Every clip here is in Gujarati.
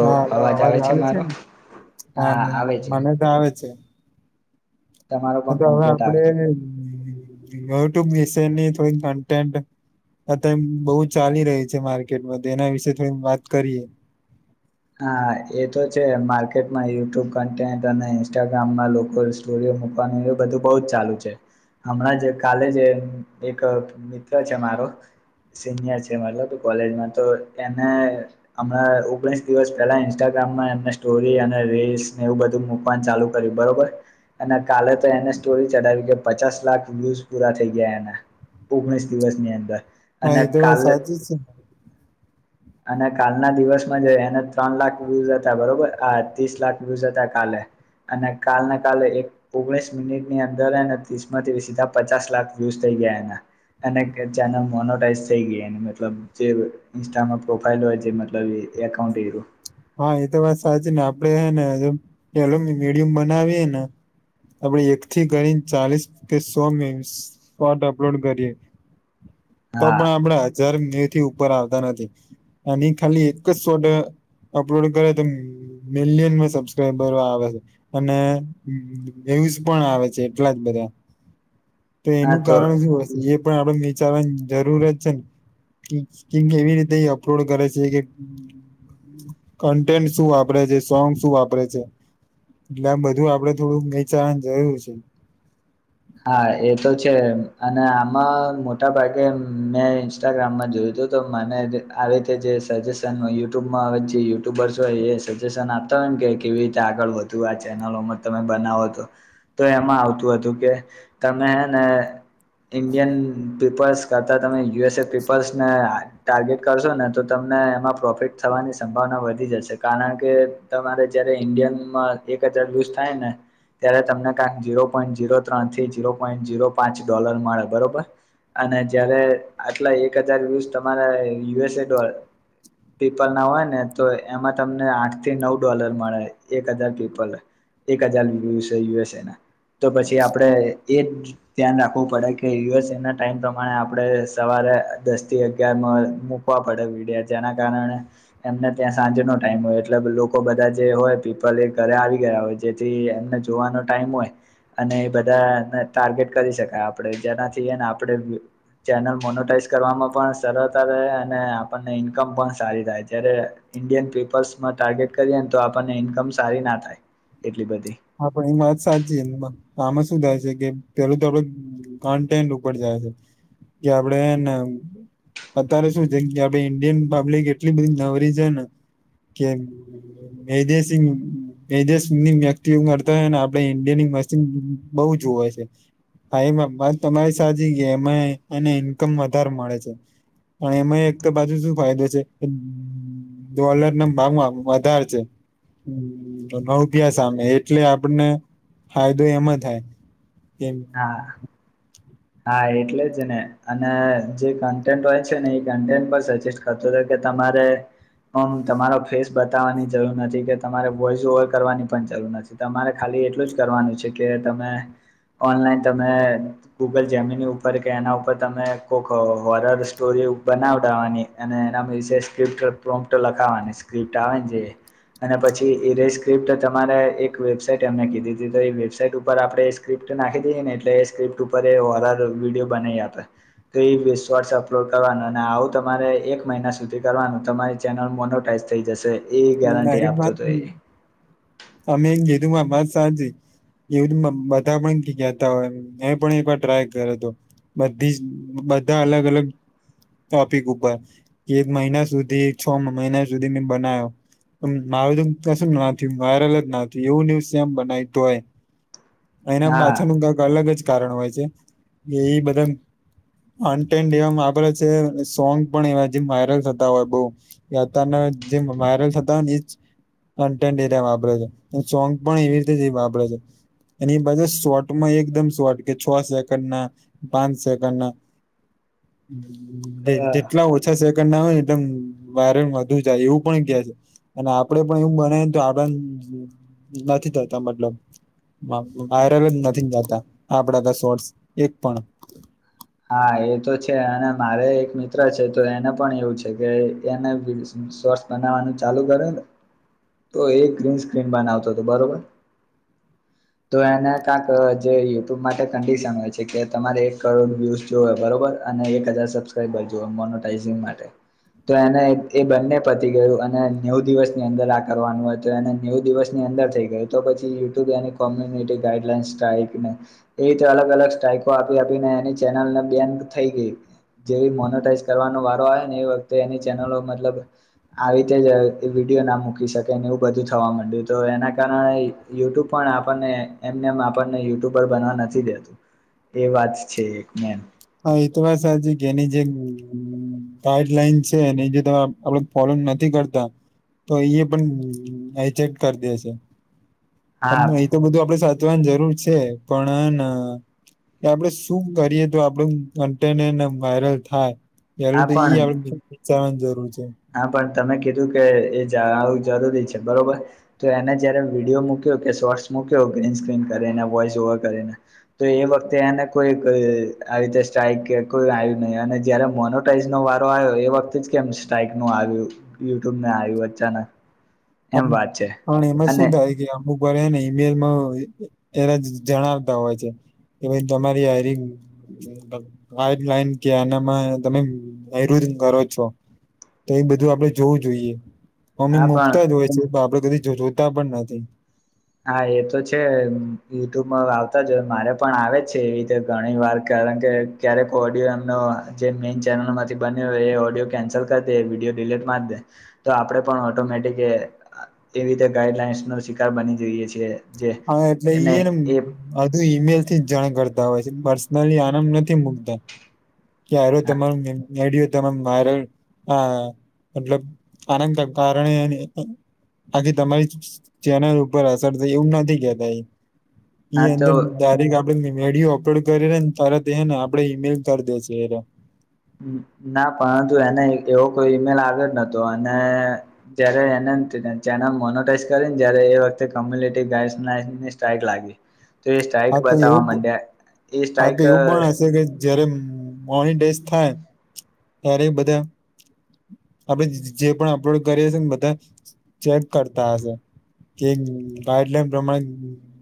હા હલો. અવાજ આવે છે ને? હા આવે છે મને તો આવે છે. તમારો તો પણ હવે કમ્પ્લીટ આવે આપડે છે યુટ્યુબ વિશેની થોડી કન્ટેન્ટ અતે બહુ ચાલી રહી છે માર્કેટમાં. તો એના વિશે થોડી વાત કરીએ હા એ તો છે. માર્કેટમાં યુટ્યુબ કન્ટેન્ટ અને ઇન્સ્ટાગ્રામમાં લોકો સ્ટોરી મુકવાનું એવું બધું બહુ જ ચાલુ છે. હમણાં જે કાલે જે, એક મિત્ર છે મારો સિનિયર છે. [unintelligible] કોલેજમાં તો એને હમણાં ઓગણી દિવસ પહેલા ઇન્સ્ટાગ્રામમાં એમને સ્ટોરી અને રીસને એવું બધું મકવાનું ચાલુ કર્યું બરોબર અને કાલે તો એને સ્ટોરી ચડાવી, કે પચાસ લાખ વયૂઝ પૂરા થઈ ગયા એના ઓગણીસ દિવસ ની અંદર હા અને એ તો વાત કાલે સાચી છે અને કાલના દિવસમાં જો એને ત્રણ લાખ વ્યુઝ હતા બરોબર. આ ત્રીસ લાખ વ્યુઝ હતા કાલે અને કાલને કાલે એક ઓગણીસ મિનિટ ની અંદર ત્રીસ થી સીધા પચાસ લાખ વયુઝ થઈ ગયા એના અને કે ચેનલ મોનોટાઈઝ થઈ ગેય એની. મતલબ જે ઇન્સ્ટામાં પ્રોફાઈલ હોય છે મતલબ ઈ એ એકાઉન્ટ એરું હા એ તો વાત સાચી ને. આપણેે હેને હજુ મીડિયમ બનાવીયએ ને આપણે એકથી કરીને ચાલીસ કે સો શોર્ટ અપલોડ કરીએ તો હા પણ આપણા હજાર મી થી ઉપર આવતા નથી. એની ખાલી એક જ શોટ અપલોડ કરે તો મિલિયનમાં સબસ્ક્રાઈબરો આવે છે. અને નવ્યૂઇસ પણ આવે છે એટલા જ બધા તો એનું કારણ શું જે પણ આપડે નીચારવાની જરૂરત છે કી કી એવી રીતે અપલોડ કરે છે કે કન્ટેન્ટ શું વાપરે છે. સોંગ શું વાપરે છે. એટલે આમ બધું આપડે થોડું વિચારવાની જરૂર છે. હા એ તો છે. અને આમાં મોટા ભાગે મેં ઇન્સ્ટાગ્રામમાં જોયું મને આવી રીતે જે સજેશન યુટ્યુબમાં આવે યુટ્યુબર્સ હોય એ સજેશન આપતા કે કેવી રીતે આગળ વધુ આ ચેનલોમાં તમે બનાવો તો. તો એમાં આવતું હતું કે તમે હેને ઇન્ડિયન પીપલ્સ કરતા તમે યુએસએ પીપલ્સને ટાર્ગેટ કરશો ને, તો તમને એમાં પ્રોફિટ થવાની સંભાવના વધી જશે. કારણ કે તમારે જયારે ઇન્ડિયનમાં એક હજાર વલુઝ થાય ને ત્યારે તમને કાક જીરો પોઈન્ટ જીરો ત્રણ થી જીરો પોઈન્ટ જીરો પાંચ ડોલર મળે બરોબર અને જયારે આટલા એક હજાર વ્યુસ તમારા યુએસએ ડો પીપલ ના હોય ને તો એમાં તમને આઠ થી નવ ડોલર મળે એક હજાર પીપલે એક હજાર વ્યુસએ યુએસ‌એ ના. તો પછી આપડે એ જ ધ્યાન રાખવું પડે કે યુએસએ ના ટાઈમ પ્રમાણે આપણે સવારે દસ થી અગયાર મા મુકવા પડે. જેના કારણે એમને ત્યાં સાંજ નો ટાઈમ હોય. એટલે લોકો બધા જે હોય પીપલ એ ઘરે આવી ગયા હોય. જેથી એમને જોવાનો ટાઈમ હોય અને એ બધાને ટાર્ગેટ કરી શકાય આપણે જેનાથી ને આપણે ચેનલ મોનોટાઈઝ કરવામાં પણ સરળતા રહે અને આપણને ઈન્કમ પણ સારી થાય જ્યારે ઇન્ડિયન પીપલ્સમાં ટાર્ગેટ કરીએ ને તો આપણને ઈન્કમ સારી ના થાય એટલી બધી હા, પણ એની સાચીએકદમ આમાં શું થાય છે કે પેલું થોડું કન્ટેન્ટ ઉપર જાય છે જો આપહેને અત્યારે શું છે ઈન્ડિયન પબ્લિક એટલી બધી નવરી છે ને કેમ એ દિવસન એ દિવસે ની નથી વ્યક્તિ તી હોય ને આપડે ઇન્ડિયની મશીન બહુ જુવે છે હા એ વાત તમારી સાચી કે એમાં એને ઇન્કમ વધારે મળે છે પણ એમાં એક તો બાજુ શું ફાયદો છે ડોલર ના ભાવમાં વધારે છે, રૂપિયા સામે એટલે આપણને ફાયદો હેમાં થાય કે હા હા, એટલે છેને ને અને જે કન્ટેન્ટ હોય છે ને એ ક સજેસ્ટ કરતો તમારે હ તમારો ફેસ બતાવાની જરૂર નથી કે તમારે વોસ ઓવર કરવાની પણ જરૂર નથી તમારે ખાલી એટલું જ કરવાનું છે કે તમે ઓનલાઈન તમે, ગૂગલ જૈમીની ઉપર કે એના ઉપર તમે કોક હોરર સ્ટોરી બનાવડાવાની અને એના વિશેસ સ્ક્રિપ્ટ પ્રો્ટ લખાવાની સ્ક્રિપ્ટ આવે ન જે અને પછી એરી સ્ક્રિપ્ટ તમારે એક વેબસાાઈટ એમને કીધી હતી તો એ વેબસાાઈટ ઉપર આપણે એ સ્ક્રિપ્ટ નાખી દે ને એટલે એ સ્ક્રિપ્ટ ઉપ હોરર વિડીયો બનાવી આપે તો [unintelligible] અપલોડ પણ આવુ કરવા તમારે એક મહિના સુધી કરવાનું તમારી ચેનલ મોનોટાઈઝ થઈ જશે એ ગેરંટી આપતો હતો એ [unintelligible] એવું મનબધા મન કેતા હોય મે પણ એક વાર ટ્રાય કર્યો હતો બધી જ, બધા, અલગ, અલગ ટોપિક ઉપર, એક મહિના સુધી, છ મહિના સુધી મેં બના્યો મારુ કશું ના થયું જ ના એવું ન્યુઝમ બનાવીતું હોય એના હા પાછાનું કૈક અલગ જ કારણ હોય છે એ બધા અનટેડ એવા છે સોંગ પણ એવા જે વાયરલ થતા હોય બહ યાતાર જે વાયરલ થતા એ ક એિયા વાપરે છે સોંગ પણ એવી રીતે વાપરે છે એ એની બાજુ શોર્ટમાં એકદમ શોર્ટ કે છ સેકન્ડ ના, પાંચ સેકન્ડ ના [inaudible] જેટલા ઓછા સેકન્ડ ના હોય ને એકદમ વાયરલ વધુ જાય એવું પણ કે છે અને આપડે પણ એવું બનેને તો આંદ નથી થતા મતલબ આયુર્વેદ નથી જાતા આપડા શોટસ એક પણ હા એ તો છે અને મારે એક મિત્ર છે તો એને પણ એવું છે કે એને સ્થસ બનાવવાનું ચાલુ કરેને તો એ ગ્રીન સ્ક્રીન બનાવતો હતો બરોબર તો એને કાતો જે યુટ્યુબ માટે કંડિશન હોય છે કે તમારે એક કરોડ્ય જોવે બરોબર અને એક હજાર સબ્સ્ક્રાઇબ જોવે મોનોટઝ માટે તો એને એ બંને પતી ગયું અને નેવુ દિવસની અંદર આ કરવાનું હોય તો એને નેવુ દિવસની અંદર થઈ ગયું તો પછી યુટ્યુબની કોમ્યુનિટી ગાઈડલાઇન સ્ટાઇલને એવી રીતે અલગ અલગ સ્ટાઈલ આપી આપીને એની ચેનલ ને બેન્ડ થઈ ગઈ જેવી મોનોટાઈઝ કરવાનો વારો આવે ને એ વખતે એની ચેનલો મતલબ આવી રીતે જ વિડયો ના મૂકી શકેને એવું બધું થવા મંડે તો એના કારણે યુટ્યુબ પણ આપણને એમને આપને યુટ્યુબર બનવા નથી દેતું એ વાત છે મેન હા, એ તો વાત સાચી એની જે ગાઈડલાઈન છે અને જે તમે આપડે ફોલોઈગ નથી કરતા તો એ પણ આચેક કરી દે છે હા એ તો બધું આપડે જવાની જરૂર છે પણ હન આપડે શું કરીએ તો આપ પણ આમ તેમ એમ વાયરલ થાય હા તો [unintelligible] પણ આપ વિચારવાની જરૂર છે હા, પણ તમે કીધું કે એ જણાવુ જરૂરી છે, બરોબર તો એને જયારે વિડીયો મૂક્યો કે શોર્ટસ [unintelligible] કરે વોઈસ ઓવર કરેને તો એ વખતે આમાં કોઈ રીતે સ્ટાઈક કોઈ આવ્યું નહી અને જયારે મોનોટાઈઝ નો વારો આવ્યો એ વખતે જ કેમ ટાઈપ નું આવ્યું યુટ્યુબને આવ્યું અચાનક પણ એમ વાત છે પણ એમાં શું અને થાય કે અમુક પણ એના ઈમેલમાં એને જણાવતા હોય છે એમાં તમારી હાયરિંગ વાઈટ લાઈન કે એનામાં તમે હાયરિંગ કરો છો તો એ બધું આપડે જોવું જોઈએ મમી હા પણ મુકતા જ હોય છે, આપડે કદી જોતા પણ નથી હા, એ તો છે યુટૂબમાં આવતા જો મારે પણ આવે છે, એવી રીતે ઘણી વાર કારણ કે ક્યારેક ઓડિયો એમનો જે મે ચેનલથી બન્યો એ ઓડિયો કેન્સલ કરી દે વિડીયો ડીલીટ માર દે તો આપણે પણ ઓટોમેટિકીતે વી ગાઈડલાસ નો શિકાર બની દઈએ છે હા એટલે ઈહેને બધુ ઈમેલ થી જ જાણ કરતા તો પછી, પર્સનલી આરામ નથી મુકતા કયારે તમારે વિડિયો તમામ વાયરલ, આ મતલબ આના કારણે આથી તમારી ચેનલ ઉપર અસર થઈ એવું નહી [unintelligible] આપ હા તો વિડીયો અપલોડ કરીને ને તરત ને આપડે ઈમેલ કરી દે છે એરે ના પરંતુ એને એવો કોઈ ઈમેલ આવ્યો નતો અને જયારે એને ચેનલ મોનોટાઈઝ કરીએન જ્યારે એતો તમને લોકોને ગાઈસ નાઈસ [unintelligible] સાઈક લાગી તે એ સ્ટ્રાઇક હા તો બતાવવા એવું માંડે હા, તો એવું પણ હશે કે જયારે મોર્નિંગ ડેઝ થાય ત્યારે બધા આપડે જે પણ અપલોડ કરીએશે ને બધા ચેક કરતા હશે કે ગાઈડલાઈન પ્રમાણે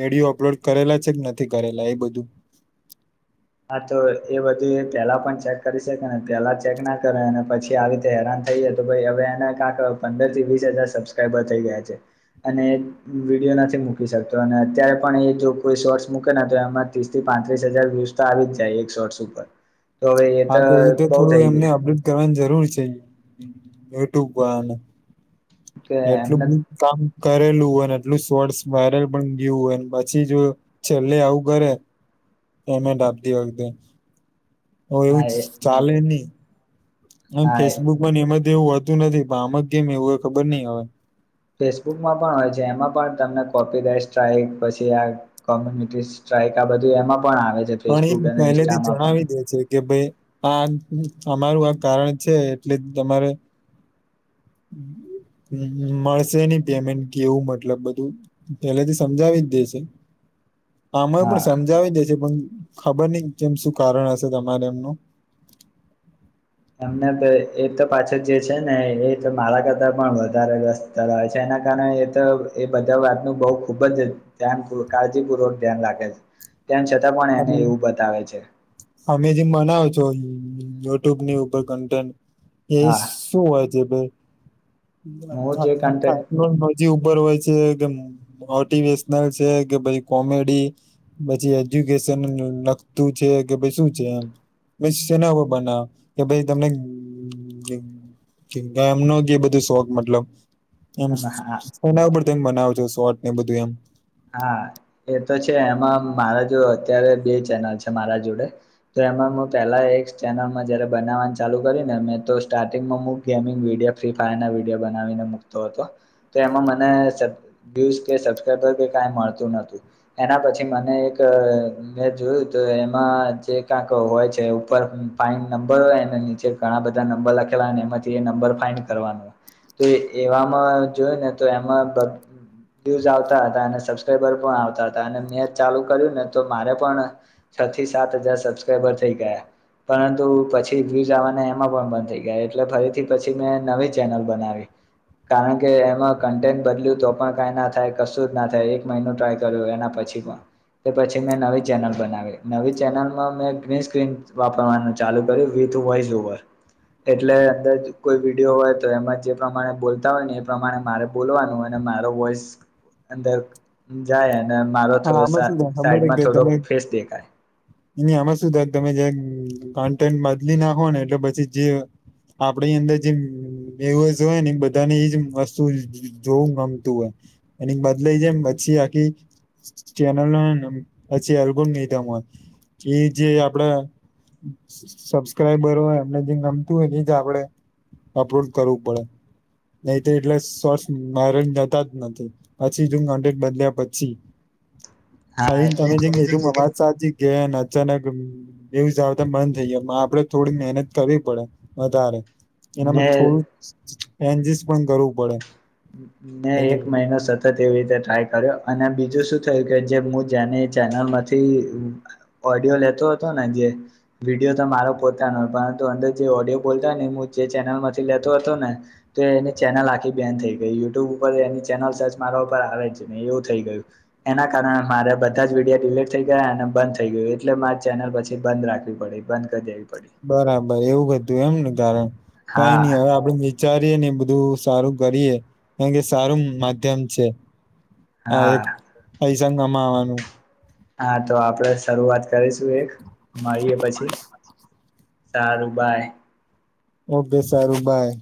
વિડીયો અપલોડ કરેલા છે કે નથી કરેલા એ બધું હા, તો એ બધું એ પેલા પણ ચેક કરી શકે ને પેલા ચેક ના કરે અને પછી આવી રીતે હેરાન થઈ જતુ હવે અને કાક પંદર થી વીસ હજાર સબસ્ક્રાઈબર થઈ ગયા છે અને બીજો તે નથી મૂકી શકતો અને અત્યારે પણ એ જો કોઈ શોર્ટ્સ મૂકે ને તે એમાં ત્રીસ થી પાંત્રીસ હજાર વ્યૂસ આવી જાય એકસોર્ષ ઉપર તો હવે એ તો બહુ થઈ ગયુ હું છે, યુટ્યુબવાડા નુ કે એમને [unintelligible] કામ કરેલું અને એટલું શોર્ટસ વાયરલ પણ ગયું હોય પછી જો છેલ્લે આવું કરે પેમેન્ટ આપતી વખતે, હ હા એવું એ ચાલે નહી આમ હા એ ફેસબુક મા એમાંથી એવું હોતું નથી આમા કે એવું ખબર ની હવે ફેસબુકમાં પણ હોય છે એમાં પણ તમને કોપીરાઈ સ્ટ્રાઈક પછી આ કોમ્યુનિટીસ સ્ટ્રાઈક આ બધી એમાં પણ આવે છે પણ ફેસબુક એ અને પહેલેથી ઇન્સ્ટામાં પણ જણાવી દે છે કે ભે હા, અમારુ આ કારણ છે એટલે તમારે મ-મળશે નઈ પેમેન્ટ કેવું મતલબ બધું પેલેથી સમજાવી દેશે આમાં હા પણ સમજાવી દે છે પણ ખબર નહી કેમ શું કારણ હશે તમારે એમનું. એમને તો એ તો પાછો જે છે ને એ તો મારા કરતા પણ વધારે રસ્તય કરાએ છે. એના કારણે એ તો એ બધા વાતનું બહુ ખુબજ જ્યાન કાળજીપૂર્વક ધ્યાન રાખે છે. તેમ છતાં પણ એને તમે એવું બતાવે છે અમે જેમ મનાવ છો યુટ્યુબ ની ઉપર કન્ટેન્ટ એ હા શું હોય છે ભાઈ હું જે કન્ટેન્ટ મજી ઉપર હોય છે મોટેશનલ છે કે પછ કોમેડી પછી એજ્યુકેશન લખતું છે કે ભય શું છે એમ વીસ શેના હો બનાવ કે ભાઈ તમને એમનો જે બધો શોખ મતલબ એમ હા એના પર તે બનાવે છો શોટ ને બધું એમ હા એ તો છે એમાં મારા જો અત્યારે બે ચેનલ છે મારા જોડે એમાં પહેલા એક ચેનલમાં જયારે બનાવવાનું ચાલુ કરી ને મેં તો સ્ટાર્ટિંગમાં ગેમિંગ વિડીયો ફ્રી ડીયો બનાને મતો હતો તો એમાં મને સબબ ક મળતુંું એના પછી મને એક મે જોયું એમાં જે હોય છેર ફન નંબર હોય નીચે ઘણા બધા નંબર લખેલા એમાંથી નંબર ફન જોયને તો એમાં દઝ આવતા હતા બ આવતા હતા અને મે ચાલુ કર્યું ને તો મારે પણ છ થી સાત હજાર સબસ્્રબર થઈ ગયા પરંતુ પછી્યુઝ આવવાના એમાં પણ બંધ થઈ ગયા એટલે ફરીથી પછી મેં નવી ચેનલ બનાવી કારણ કે એમાં કન્ટેન્ટ બદલ્યું તો પણ કઈ ના થાય કશું જ ના થાય મહિનો ટ્રાય કર્યો એના પછી પણ તે પછી મેં નવી ચેનલ બનાવી નવી ચેનલમાં મેં ગ્રીન સ્ક્રીન વાપરવાનું ચાલુ કર્યું ટ વાઇઝ ઓવર એટલે અંદર કોઈ વિડીયો હોય તો એમાં જે પ્રમાણે બોલતા હોય ને એ પ્રમાણે મારે બોલવાનું હો મા વોસ અંદર જાય અને મારો હા આમાં શું ત આમાં સાઈડમાં થોડોક ફેસ દેખાય શું તમે કન્ટેન્ટ બદલી નાખો ને એટલે પછી જે આપડી અંદર જે એવ હોય ને બધાની એજ વસ્તુ જોવું ગમતું હોય એની બદ લઈ જમ પછી આખી ચેનલ પછી એલ્બમ લઈધ એ જે આપડા સબસ્ક્રાઈબરો હોય અમને જે ગમતું હોય ની જ આપડે અપરોડ કરવું પડે નહી તો એટલે સોર્સ મારેજ જતા જ નથી પછી તું કેક બદલ્યા પછી ભાઈ હા તમે જેમ કીધું અમારા સા ગયા નથી અચાનક એવું જ આવતા મન થઈ જાય આપડે થોડી મહેનત કરવી પડે વધારે ને એનામાં થોડું એન્જસ્ટ પણ કરવું પડે ને કારણ કે એક મહિનો સતત તેવી રીતે ટ્રાય કર્યો અને બીજું શું થયું કે જે હું જેને ચેનલમાંથી યો લેતો હતો ને જે વિડીયો તો મારો પોતા નંત અંદર જે ઓડિયો બોલતાને ચેનલ માંથી લેતો હતો ને તો એને ચેનલ આખી બેન થઈ ગ યુટ્યુબ ઉપર એની ચેનલ સર્ચ મારા ઉપર આવે જ ને એવું થઈ ગયું એના કારણે મારે બધા જ વિીડિયા િલીટ થઈ ગયા અને બંધ થઈ ગયું એટલે મારે ચેનલ પછી બંધ રાખવી પડી બંધ કરી દે બરાબર એવું હતું એમ ને કારણ કઈ નઈ હા હવે આપ વિચાર ને બધું સારું કરીે કારણ કે સારું માધ્યમ છે હા એક પૈસંગમાં આવવાનું હા તો આપડે શરૂઆત કરીશું એક મળીએ પછી સારુંબાઈ ઓકે સારું બાય